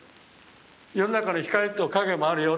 世の中の光と影もあるよ。